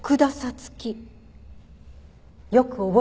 月よく覚えてます。